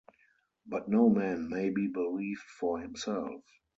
But no man may be believed for himself.